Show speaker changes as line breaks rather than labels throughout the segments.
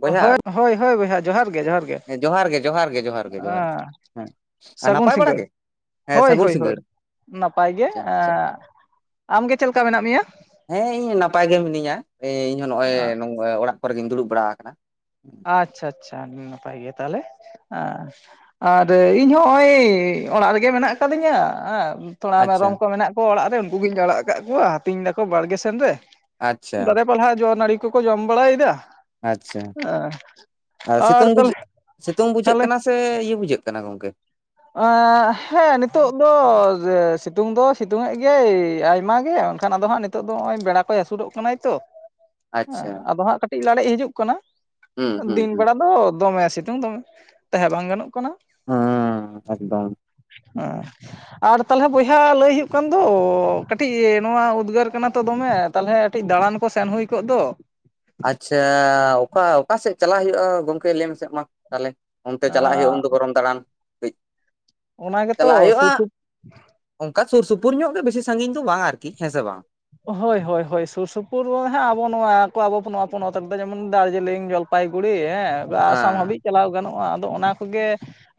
ᱵᱚᱭᱦᱟ
ᱦᱳᱭ ᱦᱳᱭ ᱦᱳᱭ ᱵᱚᱭᱦᱟ ᱡᱚᱦᱟᱨ ᱜᱮ ᱡᱚᱦᱟᱨ ᱜᱮ,
ᱡᱚᱦᱟᱨ ᱜᱮ ᱡᱚᱦᱟᱨ ᱜᱮ ᱡᱚᱦᱟᱨ ᱜᱮ
ᱟ
ᱡᱚᱦᱟᱨ ᱜᱮ ᱦᱮᱸ ᱟᱨ
ᱥᱟᱜᱩᱱ
ᱱᱟᱯᱟᱭ ᱵᱟᱲᱟ
ᱥᱤᱸᱜᱟᱹᱲ
ᱜᱮ ᱦᱮᱸ
ᱦᱳᱭ
ᱥᱟᱹᱜᱩᱱ
ᱦᱳᱭ
ᱥᱤᱸᱜᱟᱹᱲ
ᱱᱟᱯᱟᱭ ᱜᱮ
ᱟᱪᱪᱷᱟ ᱟᱪᱪᱷᱟ
ᱮᱸᱜ ᱟᱢᱜᱮ ᱪᱮᱫᱞᱮᱠᱟ ᱢᱮᱱᱟᱜ ᱢᱮᱭᱟ?
ᱦᱮᱸ ᱤᱧ ᱱᱟᱯᱟᱭ ᱜᱮ ᱢᱤᱱᱟᱹᱧᱟ ᱤᱧ ᱦᱚᱸ ᱱᱚᱜᱼᱚᱭ ᱚᱲᱟᱜ ᱠᱚᱨᱮ ᱜᱤᱧ ᱫᱩᱲᱩᱵ ᱵᱟᱲᱟ ᱠᱟᱱᱟ᱾
ᱟᱪᱪᱷᱟ ᱟᱪᱪᱷᱟ ᱟᱹᱰᱤ ᱱᱟᱯᱟᱭ ᱜᱮ ᱛᱟᱦᱞᱮ, ᱟ ᱟᱨ ᱤᱧ ᱦᱚᱸ ᱦᱚᱸᱜᱼᱚᱭ ᱚᱲᱟᱜ ᱨᱮᱜᱮ ᱢᱮᱱᱟᱜ ᱟᱠᱟᱫᱤᱧᱟ ᱦᱮᱸ ᱾ ᱛᱷᱚᱲᱟ
ᱟᱪᱪᱷᱟ
ᱢᱮᱨᱚᱢ ᱠᱚ ᱢᱮᱱᱟᱜ ᱠᱚᱣᱟ ᱚᱲᱟᱜ ᱨᱮ ᱩᱱᱠᱩ ᱜᱤᱧ ᱟᱲᱟᱜ ᱟᱠᱟᱫ ᱠᱚᱣᱟ ᱟᱛᱤᱧ ᱫᱟᱠᱚ ᱵᱟᱲᱜᱮ ᱥᱮᱱ ᱨᱮ ᱾
ᱟᱪᱪᱷᱟ ᱾
ᱯᱟᱞᱦᱟ ᱡᱚ ᱱᱟᱲᱤ ᱠᱚᱠᱚ ᱡᱚᱢ ᱵᱟᱲᱟᱭᱮᱫᱟ ᱾
ᱟᱪᱪᱷᱟ, ᱟᱨ ᱥᱤᱛᱩᱝ ᱵᱩᱡ ᱥᱤᱛᱩᱝ ᱵᱩᱡᱷᱟᱹᱜ
ᱛᱟᱦᱚᱞᱮ
ᱠᱟᱱᱟ ᱥᱮ ᱥᱮ ᱤᱭᱟᱹ ᱵᱩᱡᱷᱟᱹᱜ ᱠᱟᱱᱟ ᱜᱚᱝᱠᱮ
ᱦᱮᱸ ᱱᱤᱛᱚᱜ ᱫᱚ ᱥᱤᱛᱩᱝ ᱫᱚ ᱥᱤᱛᱩᱝ ᱮᱫ ᱜᱮᱭᱟᱭ ᱟᱭᱢᱟ ᱜᱮ ᱢᱮᱱᱠᱷᱟᱱ ᱟᱫᱚ ᱦᱟᱸᱜ ᱱᱤᱛᱚᱜ ᱫᱚ ᱱᱚᱜᱼᱚᱭ ᱵᱮᱲᱟ ᱠᱚᱭ ᱦᱟᱥᱩᱨᱚᱜ ᱠᱟᱱᱟᱭ ᱛᱚ ᱾ ᱦᱮᱸ
ᱟᱪᱪᱷᱟ
ᱟᱫᱚ ᱦᱟᱸᱜ ᱠᱟᱴᱤᱡ ᱞᱟᱲᱮᱡ ᱦᱤᱡᱩᱜ ᱠᱟᱱᱟ
ᱦᱩᱸ ᱦᱩᱸ
ᱫᱤᱱ
ᱦᱩᱸ
ᱵᱮᱲᱟ ᱫᱚ ᱫᱚᱢᱮ ᱥᱤᱛᱩᱝ ᱫᱚᱢᱮ ᱛᱟᱦᱮᱸ ᱵᱟᱝ ᱜᱟᱱᱚᱜ ᱠᱟᱱᱟ ᱾
ᱦᱩᱸ ᱮᱠᱫᱚᱢ ᱾
[unintelligible] ᱟᱨ ᱛᱟᱦᱚᱞᱮ ᱵᱚᱭᱦᱟ ᱞᱟᱹᱭ ᱦᱩᱭᱩᱜ ᱠᱟᱱ ᱫᱚ ᱠᱟᱹᱴᱤᱡ ᱱᱚᱣᱟ ᱩᱫᱽᱜᱟᱹᱨ ᱠᱟᱱᱟ ᱛᱚ ᱫᱚᱢᱮ ᱛᱟᱞᱚᱦᱮ ᱠᱟᱴᱤᱡ ᱫᱟᱬᱟᱱ ᱠᱚ ᱥᱮᱱ ᱦᱩᱭ ᱠᱚᱜ ᱫᱚ ᱾
ᱟᱪᱪᱷᱟ ᱚᱠᱟ ᱚᱠᱟ ᱥᱮᱫ ᱪᱟᱞᱟᱜ ᱦᱩᱭᱩᱜᱼᱟ ᱜᱚᱢᱠᱮ ᱞᱟᱹᱭ ᱢᱮᱥᱮ ᱢᱟ ᱾ ᱛᱟᱦᱚᱞᱮ ᱚᱱᱛᱮ ᱪᱟᱞᱟᱜ ᱦᱩᱭᱩᱜᱼᱟ ᱩᱱᱫᱚ ᱜᱚᱨᱚᱢ ᱫᱟᱬᱟᱱ ᱠᱟᱹᱡ ᱾
ᱚᱱᱟ ᱜᱮᱛᱚ [inaudible]
ᱚᱱᱠᱟ ᱥᱩᱨ ᱥᱩᱯᱩᱨ ᱧᱚᱜ ᱜᱮ ᱵᱮᱥᱤ ᱥᱟᱸᱹᱜᱤᱧ ᱫᱚ ᱵᱟᱝ ᱟᱨᱠᱤ ᱦᱮᱸ ᱥᱮ ᱵᱟᱝ ᱾
ᱦᱳᱭ ᱦᱳᱭ ᱦᱳᱭ ᱥᱩᱨ ᱥᱩᱯᱩᱨ ᱦᱟᱸᱜ ᱟᱵᱚ ᱱᱚᱣᱟ ᱠᱚ ᱟᱵᱚ ᱱᱚᱣᱟ ᱯᱚᱱᱚᱛ ᱨᱮᱫᱚ ᱡᱮᱢᱚᱱ ᱫᱟᱨᱡᱤᱞᱤᱝ ᱡᱚᱞᱯᱟᱭ ᱡᱞᱯᱟᱭᱜᱩᱲᱤ ᱦᱮᱸ ᱟᱥᱟᱢ
ᱦᱮᱸ
ᱦᱟᱹᱵᱤᱡ ᱪᱟᱞᱟᱣ ᱜᱟᱱᱚᱜᱼᱟ, ᱟᱫᱚ ᱚᱱᱟ ᱠᱚᱜᱮ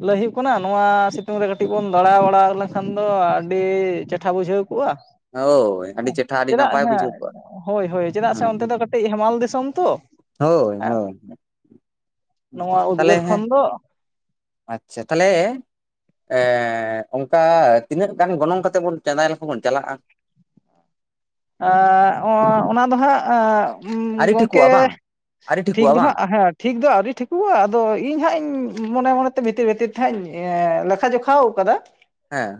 ᱞᱟᱹᱭ ᱦᱩᱭᱩᱜ ᱠᱟᱱᱟ ᱱᱚᱣᱟ ᱥᱤᱛᱩᱝ ᱨᱮ ᱠᱟᱹᱴᱤᱡ ᱵᱚᱱ ᱫᱟᱬᱟ ᱵᱟᱲᱟ ᱞᱮᱱᱠᱷᱟᱱ ᱫᱚ ᱟᱹᱰᱤ ᱪᱮᱴᱷᱟ ᱵᱩᱡᱷᱟᱹᱣ ᱠᱚᱜᱼᱟ ᱾
ᱦᱳᱭ ᱟᱹᱰᱤ ᱪᱮᱴ
ᱪᱮᱫᱟᱜ ᱦᱮᱸ ᱦᱳᱭ ᱦᱳᱭ ᱪᱮᱫᱟᱜ ᱥᱮ ᱚᱱᱛᱮ
ᱦᱮᱸ
ᱫᱚ ᱠᱟᱹᱴᱤᱡ ᱦᱮᱢᱟᱞ ᱫᱤᱥᱚᱢ ᱛᱚ ᱾
ᱦᱳᱭ ᱦᱳᱭ
ᱱᱚᱣᱟ ᱩᱫᱽᱜᱟᱹᱨ
ᱛᱟᱦᱚᱞᱮ
ᱠᱷᱚᱱ
ᱦᱮᱸ
ᱫᱚ
ᱟᱪᱪᱷᱟ, ᱛᱟᱦᱚᱞᱮ ᱮᱸ ᱚᱱᱠᱟ ᱛᱤᱱᱟᱹᱜ ᱜᱟᱱ ᱜᱚᱱᱚᱝ ᱠᱟᱛᱮ ᱵᱚᱱ ᱪᱟᱸᱫᱟᱭ ᱞᱮᱠᱷᱚ ᱵᱚᱱ ᱪᱟᱞᱟᱼᱟ ᱾
ᱟ ᱚᱱᱟ ᱚᱱᱟ ᱫᱚ ᱦᱟᱸᱜ-ᱮ ᱩᱸ
ᱟᱹᱨᱤ ᱴᱷᱤᱠᱚᱜᱼᱟ
ᱜᱚᱝᱠᱮ
ᱵᱟᱝ ᱟᱹᱨᱤ
ᱴᱷᱤᱠ
ᱴᱷᱤᱠᱚᱜᱼᱟ
ᱫᱚ
ᱵᱟᱝ
ᱦᱟᱸᱜ ᱦᱮᱸ ᱴᱷᱤᱠ ᱫᱚ ᱟᱣᱨᱤ ᱴᱷᱤᱠᱚᱜᱼᱟ ᱟᱫᱚ ᱤᱧ ᱦᱟᱸᱜ ᱤᱧ ᱢᱚᱱᱮ ᱢᱚᱱᱮᱛᱮ ᱵᱷᱤᱛᱤᱨ ᱵᱷᱤᱛᱤᱨ ᱛᱮᱦᱟᱸᱜ ᱤᱧ ᱞᱮᱠᱷᱟ ᱡᱚᱠᱷᱟ [unintelligible] ᱟᱸᱠᱷᱟᱣ ᱠᱟᱫᱟ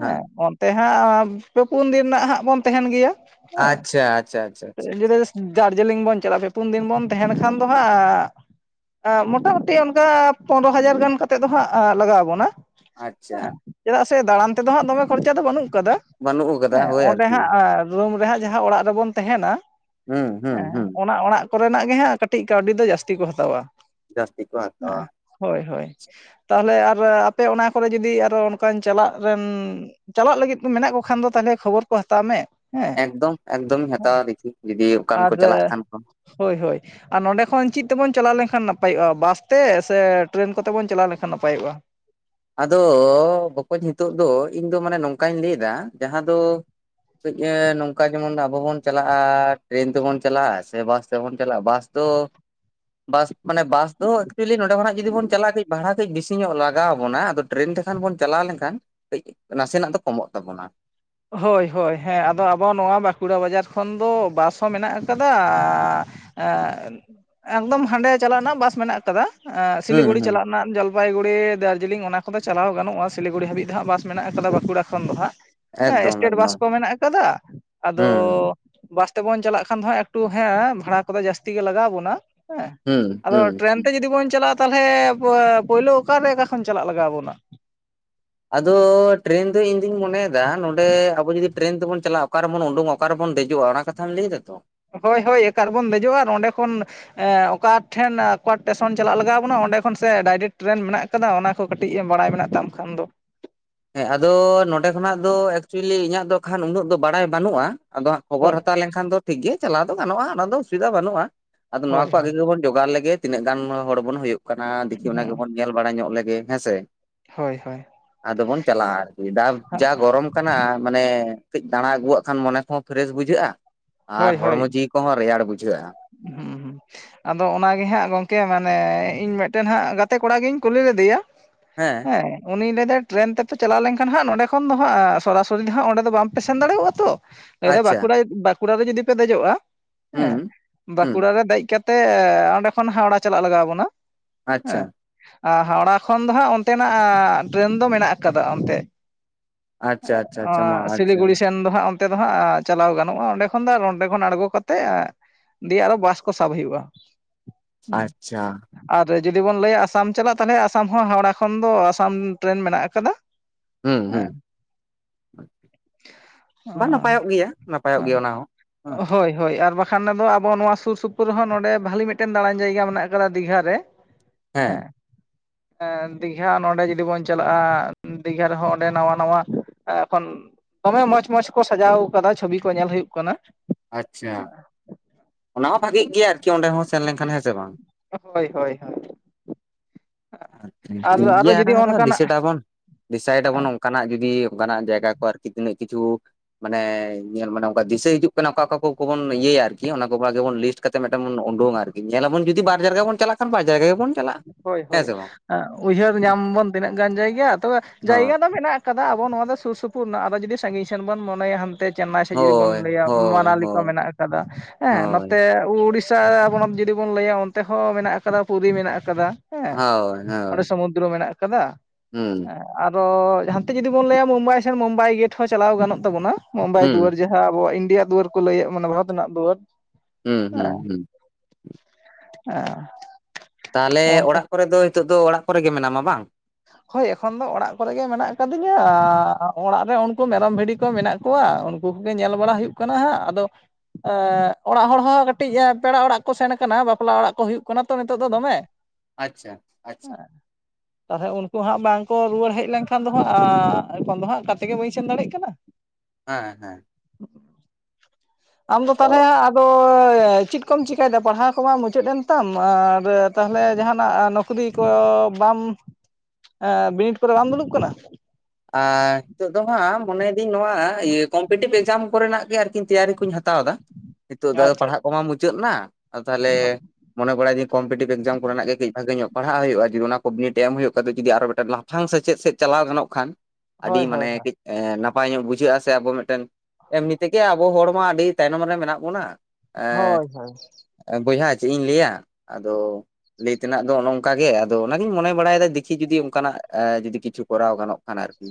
ᱦᱮᱸ ᱚᱱᱛᱮ ᱦᱟᱸᱜ ᱯᱮ ᱯᱩᱱ ᱫᱤᱱ ᱱᱟᱜ ᱦᱟᱸᱜ ᱵᱚᱱ ᱛᱟᱦᱮᱱ ᱜᱮᱭᱟ ᱾
ᱟᱪᱪᱷᱟ ᱟᱪᱪᱷᱟ ᱟᱪᱷᱟ ᱟᱪᱷᱟᱷᱟ ᱾
ᱫᱟᱨᱡᱤᱞᱤᱝ ᱵᱚᱱ ᱪᱟᱞᱟᱜᱼᱟ ᱯᱮ ᱯᱩᱱ ᱫᱤᱱ ᱵᱚᱱ ᱛᱟᱦᱮᱱ ᱠᱷᱟᱱ ᱫᱚ ᱦᱟᱸᱜ ᱢᱚᱴᱟᱢᱩᱴᱤ ᱚᱱᱠᱟ ᱯᱚᱱᱨᱚ ᱦᱟᱡᱟᱨ ᱜᱟᱱ ᱠᱟᱛᱮᱮᱫ ᱫᱚ ᱦᱟᱸᱜ ᱞᱟᱜᱟᱣ ᱟᱵᱚᱱᱟ ᱾
ᱟᱪᱪᱷᱟ ᱾
ᱪᱮᱫᱟᱜ ᱥᱮ ᱫᱟᱬᱟᱱ ᱛᱮᱫᱚ ᱦᱟᱸᱜ ᱫᱚᱢᱮ ᱠᱷᱚᱨᱪᱟ ᱫᱚ ᱵᱟᱹᱱᱩᱜ ᱠᱟᱫᱟ
ᱵᱟᱹᱱᱩᱜ ᱟᱠᱟᱫᱟ
ᱦᱮᱸ
ᱦᱳᱭ
ᱚᱸᱰᱮ
ᱟᱨᱠᱤ
ᱦᱟᱸᱜ ᱨᱩᱢ ᱨᱮ ᱦᱟᱸᱜ ᱡᱟᱦᱟᱸ ᱚᱲᱟᱜ ᱨᱮᱵᱚᱱ ᱛᱟᱦᱮᱱᱟ
ᱦᱩᱸ ᱦᱩᱸ
ᱦᱮᱸ
ᱦᱩᱸ
ᱚᱱᱟ ᱚᱲᱟᱜ ᱠᱚᱨᱮᱱᱟᱜ ᱜᱮ ᱦᱟᱸᱜ ᱠᱟᱹᱴᱤᱡ ᱠᱟᱹᱣᱰᱤ ᱫᱚ ᱡᱟᱹᱥᱛᱤ ᱠᱚ ᱦᱟᱛᱟᱣᱟ ᱾
ᱡᱟᱥᱛᱤ ᱠᱚ ᱦᱟᱛᱟᱣᱟ ᱾
ᱦᱳᱭ ᱦᱳᱭ ᱛᱟᱦᱚᱞᱮ ᱟᱨ ᱟᱯᱮ ᱚᱱᱟ ᱠᱚᱨᱮ ᱡᱩᱫᱤ ᱟᱨᱚ ᱚᱱᱠᱟᱱ ᱪᱟᱞᱟᱜ ᱨᱮᱱ ᱪᱟᱞᱟᱜ ᱞᱟᱹᱜᱤᱫ ᱠᱚ ᱢᱮᱱᱟᱜ ᱠᱚ ᱠᱷᱟᱱ ᱫᱚ ᱛᱟᱦᱚᱞᱮ ᱠᱷᱚᱵᱚᱨ ᱠᱚ ᱦᱟᱛᱟᱣ ᱢᱮ ᱦᱮᱸ ᱾
ᱮᱠᱫᱚᱢ ᱮᱠᱫᱚᱢ ᱦᱟᱛᱟᱣᱟ ᱫᱤᱠᱤ ᱡᱩᱫᱤ ᱚᱠᱟᱱ
ᱟᱨ
ᱠᱚ ᱪᱟᱞᱟᱜ ᱠᱷᱟᱱ ᱠᱚ ᱾
ᱦᱳᱭ ᱦᱳᱭ ᱾ ᱟᱨ ᱱᱚᱸᱰᱮ ᱠᱷᱚᱱ ᱪᱮᱫ ᱛᱮᱵᱚᱱ ᱪᱟᱞᱟᱣ ᱞᱮᱱᱠᱷᱟᱱ ᱱᱟᱯᱟᱭᱚᱜᱼᱟ ᱵᱟᱥᱛᱮ ᱥᱮ ᱴᱨᱮᱹᱱ ᱠᱚᱛᱮ ᱵᱚᱱ ᱪᱟᱞᱟᱣ ᱞᱮᱱᱠᱷᱟᱱ ᱱᱟᱯᱟᱭᱚᱜᱼᱟ ᱾
ᱟᱫᱚ ᱵᱚᱠᱚᱧ ᱱᱤᱛᱚᱜ ᱫᱚ ᱤᱧ ᱫᱚ ᱢᱟᱱᱮ ᱱᱚᱝᱠᱟᱧ ᱞᱟᱹᱭᱫᱟ ᱡᱟᱦᱟᱸ ᱫᱚ ᱠᱟᱹᱡ ᱮ ᱱᱚᱝᱠᱟ ᱡᱮᱢᱚᱱ ᱟᱵᱚ ᱵᱚᱱ ᱪᱟᱞᱟᱜᱼᱟ ᱟᱻ ᱴᱨᱮᱹᱱ ᱛᱮᱵᱚᱱ ᱪᱟᱞᱟᱜᱼᱟ, ᱥᱮ, ᱵᱟᱥ ᱛᱮᱵᱚᱱ ᱪᱟᱞᱟᱜᱼᱟ, ᱵᱟᱥ ᱫᱚ ᱵᱟᱥ, ᱢᱟᱱᱮ ᱵᱟᱥ ᱫᱚ, ᱮᱠᱪᱩᱭᱮᱞᱤ ᱱᱚᱰᱮ ᱠᱷᱚᱱᱟᱜ, ᱡᱩᱫᱤ ᱵᱚᱱ ᱪᱟᱞᱟᱜᱼᱟ ᱠᱟᱹᱡ, ᱵᱷᱟᱲᱟ ᱠᱟᱹᱡ ᱵᱮᱥᱤ ᱧᱚᱜ, ᱞᱟᱜᱟᱣ ᱚᱱᱟ, ᱟᱫᱚ ᱴᱨᱮᱱ, ᱛᱮᱠᱷᱟᱱ ᱵᱚᱱ ᱪᱟᱞᱟᱣ ᱞᱮᱱᱠᱷᱟᱱ, ᱠᱟᱹᱡ ᱱᱟᱥᱮᱱᱟᱜ ᱫᱚ, ᱠᱚᱢᱚᱜ ᱛᱟᱵᱚᱱᱟ ᱾
ᱦᱳᱭ ᱦᱳᱭ ᱦᱮᱸ, ᱟᱫᱚ, ᱟᱵᱚ ᱱᱚᱣᱟ, ᱵᱟᱸᱠᱩᱲᱟ ᱵᱟᱡᱟᱨ ᱠᱷᱚᱱ ᱫᱚ, ᱵᱟᱥ ᱦᱚᱸ, ᱢᱮᱱᱟᱜ ᱟᱠᱟᱫᱼᱟ ᱾ ᱮᱼᱮᱠᱫᱚᱢ, ᱦᱟᱸᱰᱮ ᱪᱟᱞᱟᱜ ᱨᱮᱱᱟᱜ, ᱵᱟᱥ ᱢᱮᱱᱟᱜ ᱟᱠᱟᱫᱟ,
ᱦᱩᱸ
ᱥᱤᱞᱤᱜᱩᱲᱤ
ᱦᱩᱸ
ᱪᱟᱞᱟᱜ ᱨᱮᱱᱟᱜ, ᱡᱚᱞ ᱡᱚᱞᱯᱟᱭᱜᱩᱲᱤ, ᱫᱟᱨᱡᱤᱞᱤᱝ, ᱚᱱᱟ ᱠᱚᱫᱚ, ᱪᱟᱞᱟᱣ ᱜᱟᱱᱚᱜᱼᱟ ᱾ ᱥᱤᱞᱤᱜᱩᱲᱤ ᱦᱟᱹᱵᱤᱡ ᱫᱚ ᱦᱟᱸᱜ, ᱵᱟᱥ ᱢᱮᱱᱟᱜ ᱟᱠᱟᱫᱟ, ᱵᱟᱸᱠᱩᱲᱟ ᱠᱷᱚᱱ ᱫᱚ, ᱦᱟᱸᱜ ᱾ ᱦᱮᱸ,
ᱮᱠᱫᱚᱢ
ᱮᱥᱴᱮᱴ ᱵᱟᱥ
ᱮᱠᱫᱚᱢ
ᱠᱚ, ᱢᱮᱱᱟᱜ ᱟᱠᱟᱫᱟ, ᱟᱫᱚ
ᱦᱩᱸ
ᱵᱟᱥ ᱛᱮᱵᱚᱱ, ᱪᱟᱞᱟᱜ ᱠᱷᱟᱱ ᱫᱚ, ᱦᱟᱸᱻ ᱮᱠᱴᱩ ᱦᱮᱸ, ᱵᱷᱟᱲᱟ ᱠᱚᱫᱚ, ᱡᱟᱹᱥᱛᱤ ᱜᱮ, ᱞᱟᱜᱟᱣ ᱟᱵᱚᱱᱟ ᱾ ᱮᱸᱻᱮ,
ᱦᱩᱸ
ᱟᱫᱚ
ᱦᱩᱸ
ᱴᱨᱮᱱ
ᱦᱩᱸ
ᱛᱮ, ᱡᱩᱫᱤ ᱵᱚᱱ, ᱪᱟᱞᱟᱜ ᱛᱟᱦᱟᱞᱮ, ᱯᱳᱭ ᱯᱳᱭᱞᱳ, ᱚᱠᱟᱨᱮ, ᱟᱠᱟ ᱠᱷᱚᱱ, ᱪᱟᱞᱟᱜ ᱞᱟᱜᱟᱣ ᱟᱵᱚᱱᱟ?
ᱟᱫᱚ, ᱴᱨᱮᱱ ᱫᱚ, ᱤᱧ ᱫᱩᱧ ᱢᱚᱱᱮᱫᱟ, ᱱᱚᱰᱮ, ᱟᱵᱚ ᱡᱩᱫᱤ, ᱴᱨᱮᱱ ᱛᱮᱵᱚᱱ ᱪᱟᱞᱟᱜᱼᱟ, ᱚᱠᱟ ᱨᱮᱵᱚᱱ ᱩᱰᱩᱝᱼᱟ, ᱚᱠᱟ ᱨᱮᱵᱚᱱ ᱫᱮᱡᱚᱜᱼᱟ, ᱚᱱᱟ ᱠᱟᱛᱷᱟᱢ ᱞᱟᱹᱭ ᱮᱫᱟ, ᱛᱚ
ᱦᱳᱭ ᱦᱳᱭ, ᱮᱠᱟ ᱨᱮᱵᱚᱱ ᱫᱮᱡᱚᱜᱼᱟ, ᱟᱨ, ᱚᱸᱰᱮ, ᱠᱷᱚᱱ ᱚᱠᱟ ᱴᱷᱮᱱ, ᱚᱠᱟ ᱴᱮᱥᱚᱱ ᱪᱟᱞᱟᱜ, ᱞᱟᱜᱟᱣ ᱟᱵᱚᱱᱟ ᱾ ᱚᱸᱰᱮ, ᱠᱷᱚᱱ ᱥᱮ, ᱰᱟᱭᱨᱮᱴ ᱴᱮᱨᱮᱱ ᱢᱮᱱᱟᱜ ᱟᱠᱟᱫᱟ, ᱚᱱᱟ ᱠᱚ, ᱠᱟᱹᱴᱤᱡ ᱮᱢ ᱵᱟᱲᱟᱭ, ᱢᱮᱱᱟᱜ ᱛᱟᱢ ᱠᱷᱟᱱ ᱫᱚ,
ᱦᱮᱸ, ᱟᱫᱚ, ᱱᱚᱸᱰᱮ ᱠᱷᱚᱱᱟᱜ ᱫᱚ, ᱮᱠᱪᱩᱭᱞᱤ ᱤᱧᱟᱹᱜ ᱫᱚ, ᱠᱷᱟᱱ ᱩᱱᱟᱹᱜ ᱫᱚ, ᱵᱟᱰᱟᱭ ᱵᱟᱹᱱᱩᱜᱼᱟ ᱾ ᱟᱫᱚ ᱦᱟᱸᱜ, ᱠᱷᱚᱵᱚᱨ
ᱦᱳᱭ
ᱦᱟᱛᱟᱣ ᱞᱮᱱᱠᱷᱟᱱ ᱫᱚ, ᱴᱷᱤᱠ ᱜᱮ, ᱪᱟᱞᱟᱣ ᱫᱚ, ᱜᱟᱱᱚᱜᱼᱟ, ᱚᱱᱟ ᱫᱚ, ᱚᱥᱩᱵᱤᱫᱟ ᱵᱟᱹᱱᱩᱜᱼᱟ, ᱟᱫᱚ, ᱱᱚᱣᱟ
ᱦᱳᱭ
ᱠᱚ,
ᱦᱳᱭ
ᱟᱜᱮ ᱜᱮᱵᱚᱱ ᱡᱚᱜᱟᱲ ᱞᱮᱜᱮ, ᱛᱤᱱᱟᱹᱜ ᱜᱟᱱ ᱦᱚ, ᱦᱚᱲ ᱵᱚᱱ, ᱦᱳᱭᱳᱜ ᱠᱟᱱᱟ, ᱫᱮᱠᱷᱤ, ᱚᱱᱟ ᱜᱮᱵᱚᱱ, ᱧᱮᱞ ᱵᱟᱲᱟ ᱧᱚᱜ ᱞᱮᱜᱮ, ᱦᱮᱸᱥᱮ ᱾
ᱦᱳᱭ ᱦᱳᱭ ᱾
ᱟᱫᱚ ᱵᱚᱱ, ᱪᱟᱞᱟᱜᱼᱟ ᱟᱨᱠᱤ, ᱰᱟᱨ ᱡᱟ, ᱜᱚᱨᱚᱢ ᱠᱟᱱᱟ ᱾ ᱢᱟᱱᱮ, ᱠᱟᱹᱡ ᱫᱟᱬᱟ ᱟᱹᱜᱩᱣᱟᱜ ᱠᱷᱟᱱ, ᱢᱚᱱᱮ ᱠᱚᱦᱚᱸ, ᱯᱷᱨᱮᱥ ᱵᱩᱡᱷᱟᱹᱜᱼᱟ,
ᱦᱳᱭ
ᱟᱨ
ᱦᱳᱭ
ᱦᱚᱲᱢᱚ ᱡᱤᱣᱤ ᱠᱚᱦᱚᱸ, ᱨᱮᱭᱟᱲ ᱵᱩᱡᱷᱟᱹᱼᱟ ᱾
ᱦᱩᱸ ᱦᱩᱸ ᱟᱫᱚ, ᱚᱱᱟᱜᱮ ᱦᱟᱸᱜ, ᱜᱚᱝᱠᱮ, ᱢᱟᱱᱮ, ᱤᱧ ᱢᱮᱫᱴᱮᱱ ᱦᱟᱸᱜ, ᱜᱟᱛᱮ ᱠᱚᱲᱟ ᱜᱮᱧ, ᱠᱩᱞᱤ ᱞᱮᱫᱮᱭᱟ ᱾
ᱦᱮᱸᱻ ᱾
ᱦᱮᱸ, ᱩᱱᱤ ᱞᱟᱹᱭ ᱮᱫᱟᱭ, ᱴᱨᱮᱱ ᱛᱮᱯᱮ, ᱪᱟᱞᱟᱣ ᱞᱮᱱᱠᱷᱟᱱ ᱦᱟᱸᱜ, ᱱᱚᱸᱰᱮ ᱠᱷᱚᱱ ᱫᱚ ᱦᱟᱸᱜ, ᱥᱚᱨᱟ ᱥᱚᱨᱤ ᱫᱚ ᱦᱟᱸᱜ, ᱚᱸᱰᱮ ᱫᱚ, ᱵᱟᱯᱮ ᱥᱮᱱ ᱫᱟᱲᱮᱭᱟᱜᱼᱟ, ᱛᱚ ᱞᱟᱹᱭ ᱮᱫᱟᱭ,
ᱟᱪᱪᱷᱟ
ᱵᱟᱸᱠᱩᱲᱟ, ᱵᱟᱸᱠᱩᱲᱟ ᱨᱮ ᱡᱩᱫᱤ ᱯᱮ, ᱫᱮᱡᱚᱜᱼᱟ ᱦᱮᱸ
ᱦᱩᱸᱻ ᱾
ᱵᱟᱸᱠᱩᱲᱟ ᱨᱮ, ᱫᱮᱡ ᱠᱟᱛᱮ, ᱚᱸᱰᱮ ᱠᱷᱚᱱ, ᱦᱟᱣᱲᱟ ᱪᱟᱞᱟᱜ, ᱞᱟᱜᱟᱣ ᱟᱵᱚᱱᱟ,
ᱟᱪᱪᱷᱟ
ᱦᱮᱸ ᱾ ᱦᱟᱣᱲᱟ ᱠᱷᱚᱱ ᱫᱚ ᱦᱟᱸᱜ, ᱚᱱᱛᱮᱱᱟᱜ ᱴᱨᱮᱱ ᱫᱚ, ᱢᱮᱱᱟᱜ ᱟᱠᱟᱫᱟ, ᱚᱱᱛᱮ
ᱟᱪᱪᱷᱟ ᱟᱪᱪᱷᱟ ᱟᱪᱪᱷᱟ ᱢᱟ
ᱮᱼᱟᱻ,
ᱟᱪᱪᱷᱟ
ᱥᱤᱞᱤᱜᱩᱲᱤ ᱥᱮᱱ ᱫᱚ ᱦᱟᱸᱜ, ᱛᱮᱫ ᱫᱚ ᱦᱟᱸᱜ, ᱪᱟᱞᱟᱣ ᱜᱟᱱᱚᱜᱼᱟ, ᱚᱸᱰᱮ ᱠᱷᱚᱱ ᱫᱚ, ᱱᱚᱸᱰᱮ ᱠᱷᱚᱱ, ᱟᱬᱜᱚ ᱠᱟᱛᱮ ᱫᱩᱵᱟᱨᱚ, ᱟᱨᱦᱚᱸ ᱵᱟᱥ ᱠᱚ, ᱥᱟᱵ ᱦᱩᱭᱩᱜᱼᱟ ᱾
ᱟᱪᱪᱷᱟ ᱾
ᱟᱨ, ᱡᱩᱫᱤ ᱵᱚᱱ ᱞᱟᱹᱭᱟ, ᱟᱥᱟᱢ ᱪᱟᱞᱟᱜ, ᱛᱟᱦᱞᱮ, ᱟᱥᱟᱢ ᱦᱚᱸ, ᱦᱟᱣᱲᱟ ᱠᱷᱚᱱ ᱫᱚ ᱟᱥᱟᱢ, ᱴᱨᱮᱱ ᱢᱮᱱᱟᱜ ᱟᱠᱟᱫᱟ ᱾
ᱦᱩᱸᱦᱩᱸ, ᱵᱟᱝ ᱱᱟᱯᱟᱭᱚᱜ ᱜᱮᱭᱟ, ᱱᱟᱯᱟᱭᱚᱜ ᱜᱮᱭᱟ, ᱚᱱᱟ ᱦᱚᱸ ᱾
ᱦᱳᱭ ᱦᱳᱭ, ᱟᱨ ᱵᱟᱠᱷᱟᱱ, ᱟᱫᱚ ᱟᱵᱚ, ᱱᱚᱣᱟ ᱥᱩᱨ ᱥᱩᱯᱩᱨ ᱨᱮᱦᱚᱸ, ᱱᱚᱰᱮ ᱵᱷᱟᱹᱞᱤ, ᱢᱤᱫ ᱴᱮᱱ ᱫᱟᱬᱟᱱ ᱡᱟᱭᱜᱟ, ᱢᱮᱱᱟᱜ ᱟᱠᱟᱫᱟ, ᱫᱤᱜᱷᱟ ᱨᱮ, ᱦᱮᱸ ᱾ [unintelligible] [inaudible] ᱮᱻ ᱫᱤᱜᱷᱟ, ᱱᱚᱸᱰᱮ ᱡᱩᱫᱤ ᱵᱚᱱ, ᱪᱟᱞᱟᱜᱼᱟ, ᱫᱤᱜᱷᱟ ᱨᱮᱦᱚᱸ, ᱚᱸᱰᱮ ᱱᱟᱣᱟ ᱱᱟᱣᱟ, ᱮᱠᱷᱚᱱ ᱫᱚᱢᱮ, ᱢᱚᱸᱡᱽ ᱢᱚᱸᱡᱽ ᱠᱚ, ᱥᱟᱡᱟᱣ ᱟᱠᱟᱫᱟ, ᱪᱷᱚᱵᱤ ᱠᱚ ᱧᱮᱞ ᱦᱩᱭᱩᱜ ᱠᱟᱱᱟ ᱾
ᱟᱪᱪᱷᱟ! ᱚᱱᱟ ᱦᱚᱸ, ᱵᱷᱟᱹᱜᱮᱜ ᱜᱮᱭᱟ, ᱟᱨᱠᱤ, ᱚᱸᱰᱮ ᱦᱚᱸ, ᱥᱮᱱ ᱞᱮᱱᱠᱷᱟᱱ, ᱦᱮᱸ ᱥᱮ ᱵᱟᱝ?
ᱦᱳᱭ, ᱦᱳᱭ ᱦᱳᱭ ᱾ [unintelligible]
ᱟᱪᱪᱷᱟ! ᱴᱷᱤᱠ ᱜᱮᱭᱟ ᱦᱟᱸᱜ, ᱰᱤᱥᱟᱹᱭᱤᱴ ᱟᱵᱚᱱ ᱰᱤᱥᱟᱭᱤᱰ ᱟᱵᱚᱱ, ᱚᱱᱠᱟᱱᱟᱜ, ᱡᱩᱫᱤ ᱚᱱᱠᱟᱱᱟᱜ, ᱡᱟᱭᱜᱟ ᱠᱚ, ᱟᱨᱠᱤ ᱛᱤᱱᱟᱹᱜ ᱠᱤᱪᱷᱩ ᱢᱟᱱᱮ, ᱧᱮᱞ ᱢᱟᱱᱮ, ᱚᱱᱠᱟ ᱫᱤᱥᱟᱹ ᱦᱤᱡᱩᱜ ᱠᱟᱱᱟ, ᱚᱠᱟ, ᱚᱠᱟ ᱠᱚᱵᱚᱱ, ᱤᱭᱟᱹᱭᱟ ᱟᱨᱠᱤ, ᱚᱱᱟ ᱠᱚᱵᱚ, ᱟᱜᱮ ᱵᱚᱱ ᱞᱤᱥᱴ ᱠᱟᱛᱮ ᱢᱤᱫᱴᱟᱝ ᱵᱚᱱ ᱳᱰᱳᱝᱟ ᱟᱨᱠᱤ ᱧᱮᱞ ᱟᱵᱚᱱ ᱡᱩᱫᱤ ᱵᱟᱨ ᱡᱟᱭᱜᱟ ᱵᱚᱱ ᱪᱟᱞᱟᱜ ᱠᱷᱟᱱ ᱵᱟᱨ ᱡᱟᱭᱜᱟ ᱜᱮᱵᱚᱱ ᱪᱟᱞᱟᱜᱼᱟ।
ᱦᱳᱭ ᱦᱳᱭ
ᱦᱮᱸ ᱥᱮ ᱵᱟᱝ
ᱩᱭᱦᱟᱹᱨ ᱧᱟᱢ ᱵᱚᱱ ᱛᱤᱱᱟᱹᱜ ᱜᱟᱱ ᱡᱟᱭᱜᱟ ᱛᱚᱵᱮ
ᱦᱚᱸ
ᱡᱟᱭᱜᱟ ᱫᱚ ᱢᱮᱱᱟᱜᱼᱼ ᱠᱟᱫᱟ ᱟᱵᱚ ᱱᱚᱣᱟ ᱫᱚ ᱥᱳᱨ ᱥᱳᱯᱳᱨ ᱨᱮᱱᱟᱜ ᱟᱫᱚ ᱡᱩᱫᱤ ᱥᱟᱺᱜᱤᱧ ᱥᱮᱱ ᱵᱚᱱ ᱢᱚᱱᱮᱭᱟ ᱦᱟᱱᱛᱮ ᱪᱮᱱᱱᱟᱭ ᱥᱮᱫ ᱡᱩᱫᱤ ᱵᱚᱱ
ᱦᱳᱭ
ᱞᱟᱹᱭᱟ
ᱦᱳᱭ
ᱢᱟᱱᱟᱞᱤ ᱫᱚ
ᱦᱳᱭ
ᱢᱮᱱᱟᱜ ᱟᱠᱟᱫᱟ ᱦᱮᱸ
ᱦᱳᱭ
ᱱᱚᱛᱮ ᱩᱲᱤᱥᱥᱟ ᱟᱵᱚ ᱡᱩᱫᱤ ᱵᱚᱱ ᱞᱟᱹᱭᱟ ᱚᱱᱛᱮ ᱦᱚᱸ ᱢᱮᱱᱟᱜ ᱟᱠᱟᱫᱟ ᱯᱩᱨᱤ ᱢᱮᱱᱟᱜ ᱟᱠᱟᱫᱟ ᱦᱮᱸ
ᱦᱳᱭ
ᱚᱸᱰᱮ
ᱦᱳᱭ
ᱥᱚᱢᱩᱫᱨᱚ ᱢᱮᱱᱟᱜ ᱟᱠᱟᱫᱟ
ᱦᱩᱸ
ᱦᱮᱸ। ᱟᱨᱚ ᱦᱟᱱᱛᱮ ᱡᱩᱫᱤ ᱵᱚᱱ ᱞᱟᱹᱭᱟ ᱢᱩᱢᱵᱟᱭ ᱥᱮᱱ ᱢᱩᱢᱵᱟᱭ ᱜᱮᱴ ᱦᱚᱸ ᱪᱟᱞᱟᱣ ᱜᱟᱱᱚᱜ ᱛᱟᱵᱚᱱᱟ ᱢᱩᱢᱵᱟᱭ ᱫᱩᱣᱟᱹᱨ
ᱦᱩᱸ
ᱡᱮ ᱦᱮᱸ ᱟᱵᱚᱣᱟᱜ ᱤᱱᱰᱤᱭᱟ ᱫᱩᱣᱟᱹᱨ ᱠᱚ ᱞᱟᱹᱭᱮᱫ ᱢᱟᱱᱮ ᱵᱷᱟᱨᱚᱛ ᱨᱮᱱᱟᱜ ᱫᱩᱣᱟᱹᱨ
ᱦᱩᱸ ᱦᱩᱸ ᱦᱩᱸ
ᱮᱸ
ᱛᱟᱞᱦᱮ ᱚᱲᱟᱜ ᱠᱚᱨᱮ ᱫᱚ ᱦᱤᱛᱚᱜ ᱫᱚ ᱚᱲᱟᱜ ᱠᱚᱨᱮ ᱜᱮ ᱢᱮᱱᱟᱢᱟ ᱵᱟᱝ
ᱦᱳᱭ ᱮᱠᱷᱚᱱ ᱫᱚ ᱚᱲᱟᱜ ᱠᱚᱨᱮ ᱜᱮ ᱢᱮᱱᱟᱜ ᱠᱟᱫᱤᱧᱟ ᱟᱻ ᱚᱲᱟᱜ ᱨᱮ ᱩᱱᱠᱩ ᱢᱮᱨᱚᱢ ᱵᱷᱤᱰᱤ ᱼᱼ ᱠᱚ ᱢᱮᱱᱟᱜ ᱠᱚᱣᱟ ᱩᱱᱠᱩ ᱠᱚᱜᱮ ᱧᱮᱞ ᱵᱟᱲᱟ ᱦᱩᱭᱩᱜ ᱠᱟᱱᱟ ᱦᱟᱸᱜ ᱟᱫᱚᱼᱼ ᱮᱸᱜ ᱚᱲᱟᱜ ᱦᱚᱲ ᱦᱚᱸ ᱠᱟᱹᱴᱤᱡ ᱯᱮᱲᱟ ᱚᱲᱟᱜ ᱠᱚ ᱥᱮᱱ ᱠᱟᱱᱟ ᱵᱟᱯᱞᱟ ᱚᱲᱟᱜ ᱠᱚ ᱦᱩᱭᱩᱜ ᱠᱟᱱᱟ ᱛᱚ ᱱᱤᱛᱚᱜ ᱫᱚ ᱫᱚᱢᱮ।
ᱟᱪᱪᱷᱟ ᱟᱪᱪᱷᱟ।
ᱛᱟᱞᱦᱮ ᱩᱱᱠᱩ ᱦᱟᱸᱜ ᱵᱟᱝ ᱠᱚ ᱨᱩᱣᱟᱹᱲ ᱦᱮᱡ ᱞᱮᱱᱠᱷᱟᱱ ᱫᱚ ᱦᱟᱸᱜ ᱟᱸᱻ ᱮᱠᱷᱚᱱ ᱫᱚ ᱦᱟᱸᱜ ᱚᱠᱟᱛᱮ ᱜᱮ ᱵᱟᱹᱧ ᱥᱮᱱ ᱫᱟᱲᱮᱜ ᱠᱟᱱᱟ।
ᱦᱮᱸ ᱦᱮᱸ।
ᱟᱢ ᱫᱚ ᱛᱟᱞᱦᱮ
ᱚ
ᱟᱫᱚ ᱪᱤᱫ ᱠᱚᱢ ᱪᱤᱠᱟᱹᱭ ᱫᱟ ᱯᱟᱲᱦᱟᱣ ᱠᱚᱢᱟ ᱢᱩᱪᱟᱹᱫ ᱮᱱ ᱛᱟᱢ ᱟᱨ ᱛᱟᱞᱦᱮ ᱡᱟᱦᱟᱱᱟᱜᱼᱼ ᱠᱷᱩᱫᱤ ᱠᱚ ᱵᱟᱢ ᱮ ᱵᱤᱱᱤᱰ ᱠᱚᱨᱮ ᱵᱟᱢ ᱫᱩᱲᱩᱵ ᱠᱟᱱᱟ?
ᱟ ᱱᱤᱛᱚᱜ ᱫᱚ ᱦᱟᱸᱜ ᱢᱚᱱᱮᱭ ᱫᱟᱹᱧ ᱱᱚᱣᱟ ᱤᱭᱟᱹ ᱠᱚᱢᱯᱤᱴᱤᱵᱽ ᱮᱠᱡᱟᱢ ᱠᱚᱨᱮᱱᱟᱜ ᱜᱮ ᱟᱨᱠᱤ ᱛᱮᱭᱟᱨᱤ ᱠᱚᱧ ᱦᱟᱛᱟᱣ ᱫᱟ ᱦᱤᱛᱚᱜ ᱫᱚ
ᱟᱪᱪᱷᱟ
ᱯᱟᱲᱦᱟᱜ ᱠᱚᱢᱟ ᱢᱩᱪᱟᱹᱫ ᱱᱟ ᱟᱫᱚ ᱛᱟᱞᱦᱮ ᱢᱚᱱᱮ ᱵᱟᱲᱟᱭ ᱫᱤᱧ ᱠᱚᱢᱯᱤᱴᱤᱯ ᱮᱠᱡᱟᱢ ᱠᱚᱨᱮᱱᱟᱜ ᱜᱮ ᱠᱟᱹᱡ ᱵᱷᱟᱜᱮ ᱧᱚᱜ ᱯᱟᱦᱲᱟᱜ ᱦᱳᱭᱳᱜᱼᱟ ᱡᱮ ᱚᱱᱟ ᱠᱚ ᱵᱤᱱᱤᱰ ᱮᱢ ᱦᱳᱭᱳᱜ ᱠᱟᱛᱮᱫ ᱡᱩᱫᱤ ᱟᱨᱦᱚᱸ ᱢᱤᱫᱴᱟᱝ ᱞᱟᱯᱷᱟᱝ ᱥᱮᱪᱮᱫ ᱥᱮᱫ ᱪᱟᱞᱟᱣ ᱜᱟᱱᱚᱜ ᱠᱷᱟᱱ ᱟᱹᱰᱤ
ᱦᱳᱭ ᱦᱳᱭ
ᱢᱟᱱᱮ
ᱦᱳᱭ
ᱠᱟᱹᱡ ᱮ ᱱᱟᱯᱟᱭ ᱧᱚᱜ ᱵᱩᱡᱷᱟᱹᱜᱼᱟ ᱥᱮ ᱟᱵᱚ ᱢᱤᱫᱴᱮᱱ ᱮᱢᱱᱤ ᱛᱮᱜᱮ ᱟᱵᱚ ᱦᱚᱲ ᱢᱟ ᱟᱹᱰᱤ ᱛᱟᱭᱱᱚᱢ ᱨᱮ ᱢᱮᱱᱟᱜ ᱵᱚᱱᱟ
ᱦᱳᱭ ᱦᱳᱭ
ᱮᱸᱻ ᱵᱚᱭᱦᱟ ᱪᱮᱫ ᱤᱧ ᱞᱟᱹᱭᱟ ᱟᱫᱚ ᱞᱟᱹᱭ ᱛᱮᱱᱟᱜ ᱫᱚ ᱚᱱᱮ ᱚᱝᱠᱟ ᱜᱮ ᱟᱫᱚ ᱚᱱᱟᱜᱤᱧ ᱢᱚᱱᱮ ᱵᱟᱲᱟᱭ ᱫᱟ ᱫᱤᱠᱷᱤ ᱡᱩᱫᱤ ᱚᱝᱠᱟᱱᱟᱜ ᱡᱩᱫᱤ ᱠᱤᱪᱷᱩ ᱠᱚᱨᱟᱣ ᱜᱟᱱᱚᱜ ᱠᱟᱱᱟ ᱟᱨᱠᱤ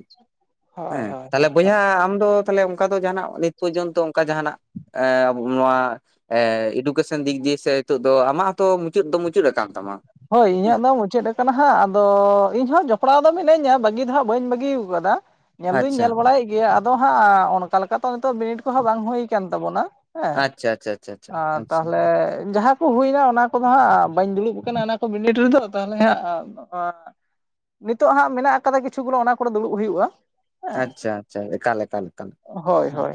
ᱦᱳᱭ
ᱦᱮᱸ
ᱦᱳᱭ ᱦᱳᱭ
ᱛᱟᱞᱦᱮ ᱵᱚᱭᱦᱟ ᱟᱢ ᱫᱚ ᱛᱟᱞᱦᱮ ᱚᱱᱠᱟ ᱫᱚ ᱡᱟᱦᱟᱱᱟᱜ ᱱᱤᱛ ᱯᱚᱨᱡᱚᱱᱛᱚ ᱚᱱᱠᱟ ᱡᱟᱦᱟᱱᱟᱜ ᱮ ᱟᱵᱚ ᱱᱚᱣᱟ ᱮ ᱮᱰᱩᱼᱼ ᱠᱮᱥᱚᱱ ᱫᱤᱠ ᱫᱤᱭᱮ ᱥᱮ ᱱᱤᱛᱚᱜ ᱫᱚ ᱟᱢᱟᱜ ᱦᱚᱸᱛᱚ ᱢᱩᱪᱟᱹᱫ ᱫᱚ ᱢᱩᱪᱟᱹᱫ ᱟᱠᱟᱱ ᱛᱟᱢᱟ
ᱦᱳᱭ ᱤᱧᱟᱹᱜ
ᱦᱮᱸ
ᱫᱚ ᱢᱩᱪᱟᱹᱫ ᱟᱠᱟᱱᱟ ᱦᱟᱸᱜ ᱟᱫᱚ ᱤᱧ ᱦᱚᱸ ᱡᱚᱯᱲᱟᱣ ᱫᱚ ᱢᱤᱱᱟᱹᱧᱟ ᱵᱟᱹᱜᱤ ᱫᱚ ᱦᱟᱸᱜ ᱵᱟᱹᱧ ᱵᱟᱹᱜᱤ ᱟᱠᱟᱫᱟ ᱧᱮᱞ ᱫᱩᱧ
ᱟᱪᱪᱷᱟ
ᱧᱮᱞ ᱵᱟᱲᱟᱭᱮᱫ ᱜᱮᱭᱟ ᱟᱫᱚ ᱦᱟᱸᱜ ᱚᱱᱠᱟ ᱞᱮᱠᱟ ᱛᱚ ᱱᱤᱛᱚᱜ ᱵᱤᱱᱤᱰ ᱠᱚᱦᱚᱸ ᱵᱟᱝ ᱦᱩᱭ ᱠᱟᱱ ᱛᱟᱵᱚᱱᱟ ᱦᱮᱸ
ᱟᱪᱪᱷᱟ ᱟᱪᱪᱷᱟ ᱟᱪᱪᱷᱟ ᱟᱪᱪᱷᱟ
ᱟᱨ
ᱟᱪᱪᱷᱟ
ᱛᱟᱦᱚᱞᱮ ᱡᱟᱦᱟᱸ ᱠᱚ ᱦᱩᱭᱱᱟ ᱚᱱᱟ ᱠᱚᱫᱚ ᱦᱟᱸᱜ ᱵᱟᱹᱧ ᱫᱩᱲᱩᱵ ᱟᱠᱟᱱᱟ ᱚᱱᱟ ᱠᱚ ᱵᱤᱱᱤᱰ ᱨᱮᱫᱚ ᱛᱟᱞᱦᱮ ᱦᱟᱸᱜ ᱱᱤᱛᱚᱜ ᱦᱟᱸᱜ ᱢᱮᱱᱟᱜ ᱟᱠᱟᱫᱟ ᱠᱤᱪᱷᱩ ᱜᱩᱞᱳ ᱚᱱᱟ ᱠᱚᱨᱮ ᱫᱩᱲᱩᱵ ᱦᱩᱭᱩᱜᱼᱟ ᱦᱮᱸ
ᱟᱪᱪᱷᱟ ᱼ ᱟᱪᱪᱷᱟ ᱮᱠᱟᱞ ᱮᱠᱟᱞ ᱮᱠᱟᱞ
ᱦᱳᱭ ᱦᱳᱭ